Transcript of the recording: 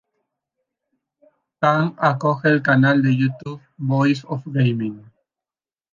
Tang acoge el canal de YouTube "Voices of Gaming".